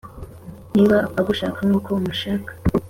Niba agushaka nkuko umushaka